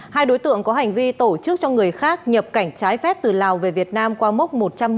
hai đối tượng có hành vi tổ chức cho người khác nhập cảnh trái phép từ lào về việt nam qua mốc một trăm chín mươi